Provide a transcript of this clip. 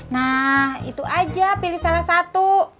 nah itu aja pilih salah satu